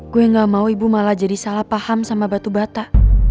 gue gak mau ibu malah jadi salah paham sama batu bata